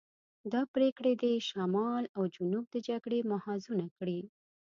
دا پرېکړې دې شمال او جنوب د جګړې محاذونه کړي.